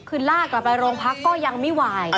คือลากกลับไปโรงพักก็ยังไม่ไหว